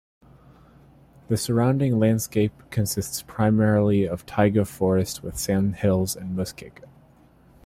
The surrounding landscape consists of primarily taiga forest with sand hills and muskeg.